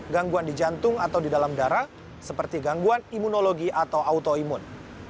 gangguan di jantung atau di dalam darah seperti gangguan imunologi atau autoimun